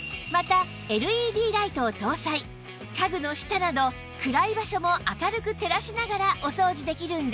また家具の下など暗い場所も明るく照らしながらお掃除できるんです